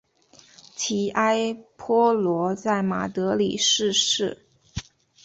提埃坡罗在马德里逝世。